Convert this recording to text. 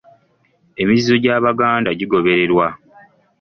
Emizizo gy’Abaganda gigobererwa